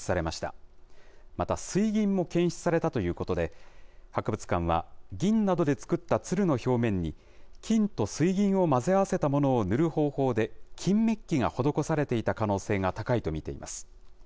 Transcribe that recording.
また、水銀も検出されたということで、博物館は、銀などで作った鶴の表面に金と水銀を混ぜ合わせたものを塗る方法で金めっきが施されていた可能性が高いと見ています。